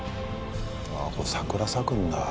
ここ桜咲くんだ。